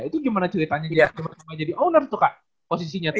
itu gimana ceritanya gimana jadi owner tuh kak posisinya tuh